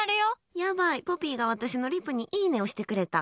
やばい、ポピーが私のリプにいいね押してくれた。